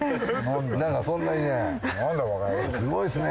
なんかそんなにね。